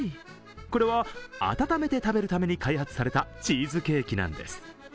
これは温めて食べるために開発されたチーズケーキなんです。